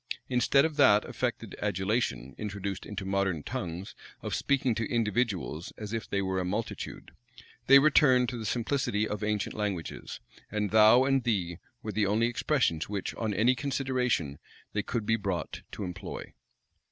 Instead of that affected adulation introduced into modern tongues, of speaking to individuals as if they were a multitude, they returned to the simplicity of ancient languages; and "thou" and "thee" were the only expressions which, on any consideration, they could be brought to employ.